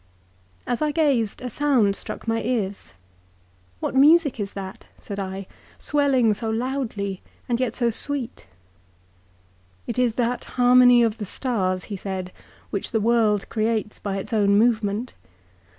"As I gazed a sound struck my ears. 'What music is that,' said I, ' swelling so loudly and yet so sweet ?'"' It is that harmony of the stars,' he said, ' which the world creates APPENDIX. 409 by its own movement.